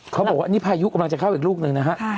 เขาบอกว่านี่พายุกำลังจะเข้าอีกลูกหนึ่งนะฮะ